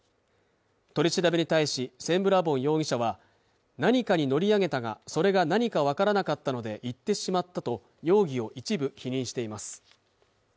取り調べに対しセンブラボン容疑者は何かに乗り上げたがそれが何かわからなかったので行ってしまったと容疑を一部否認しています